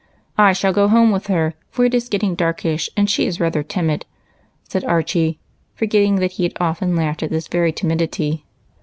" I shall go home with her, for it is getting dark ish, and she is rather timid," said Archie, forgetting that he had often laughed at this very timidity.